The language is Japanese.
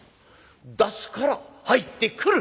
出すから入ってくる。